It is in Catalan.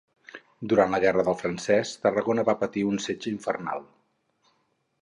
Durant la Guerra del Francès, Tarragona va patir un setge infernal.